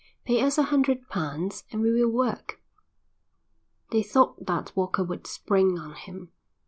"Pay us a hundred pounds and we will work." They thought that Walker would spring on him.